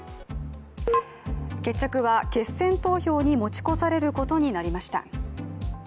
決着は決選投票に持ち越されることになりました。